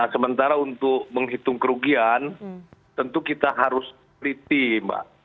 sementara untuk menghitung kerugian tentu kita harus teliti mbak